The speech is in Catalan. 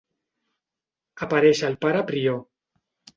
Apareix el pare prior.